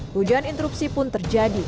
hujan interupsi pun terjadi